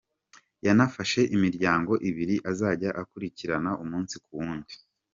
Yanafashe imiryango ibiri azajya akurikirana umunsi ku wundi.